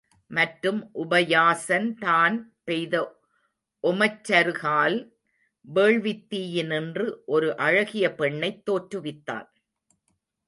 மற்றும் உபயாசன் தான் பெய்த ஒமச்சருகால் வேள்வித் தீயினின்று ஒரு அழகிய பெண்ணைத் தோற்றுவித்தான்.